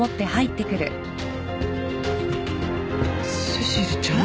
セシルちゃん。